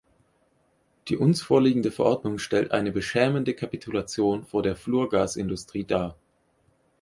Die uns vorliegende Verordnung stellt eine beschämende Kapitulation vor der Fluorgasindustrie dar.